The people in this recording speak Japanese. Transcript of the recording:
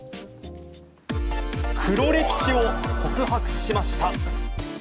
黒歴史を告白しました。